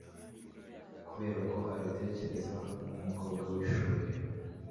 kubera ko abitekereza, nkumukobwa wishuri